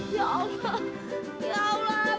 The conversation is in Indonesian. ya allah ya allah